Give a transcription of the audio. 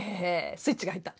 スイッチが入った？